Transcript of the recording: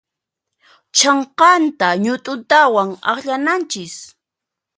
Chhanqanta ñut'untawan akllananchis.